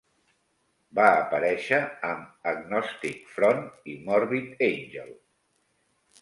va aparèixer amb Agnostic Front i Morbid Angel.